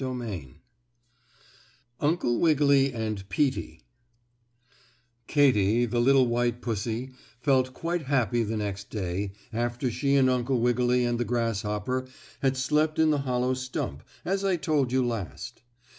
STORY XVII UNCLE WIGGILY AND PEETIE Katy, the little white pussy, felt quite happy the next day, after she and Uncle Wiggily and the grasshopper had slept in the hollow stump, as I told you last.